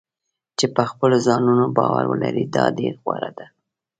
چې په خپلو ځانونو باور ولري دا ډېر غوره دی.